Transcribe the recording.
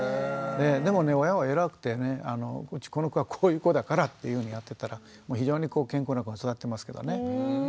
でもね親は偉くてねこの子はこういう子だからっていうふうにやってたら非常に健康な子に育ってますけどね。